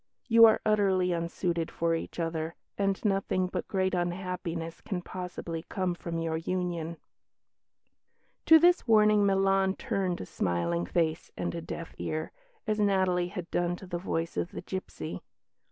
You are utterly unsuited for each other, and nothing but great unhappiness can possibly come from your union." To this warning Milan turned a smiling face and a deaf ear, as Natalie had done to the voice of the gipsy.